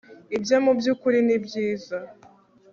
ibyo mubyukuri ni byiza